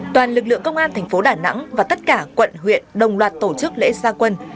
toàn lực lượng công an thành phố đà nẵng và tất cả quận huyện đồng loạt tổ chức lễ gia quân